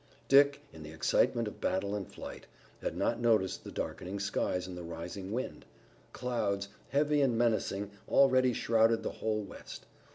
Dick, in the excitement of battle and flight, had not noticed the darkening skies and the rising wind. Clouds, heavy and menacing, already shrouded the whole west.